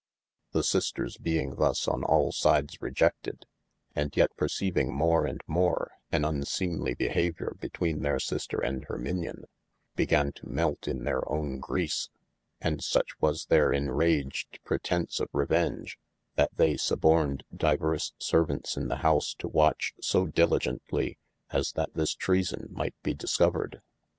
The sisters being thus on all sides rejefted, and yet perceyving more & more an unseemelye behaviour betweene their sister and hir minion, began to melt in their owne grease : and such was theyr enraged pretence of revenge, that they suborned divers servauntes in the house to watch so dilligentlye, as that this treason might be discovered.